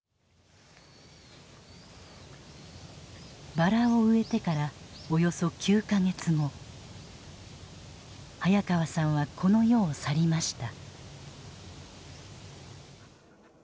バラを植えてからおよそ９か月後早川さんはこの世を去りました。